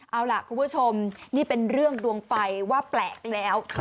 เอาล่ะคุณผู้ชมนี่เป็นเรื่องดวงไฟว่าแปลกแล้ว